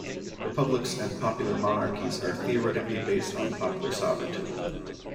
Republics and popular monarchies are theoretically based on popular sovereignty.